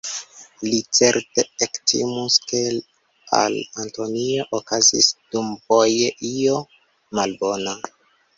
Li certe ektimus, ke al Antonio okazis dumvoje io malbona.